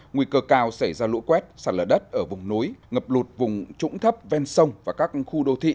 nguy cơ cao xảy ra lũ quét sạt lở đất ở vùng núi ngập lụt vùng trũng thấp ven sông và các khu đô thị